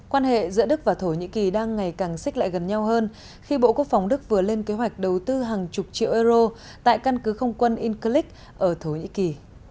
quan hệ giữa đức và thổ nhĩ kỳ đang ngày càng xích lại gần nhau hơn khi bộ quốc phòng đức vừa lên kế hoạch đầu tư hàng chục triệu euro tại căn cứ không quân incleak ở thổ nhĩ kỳ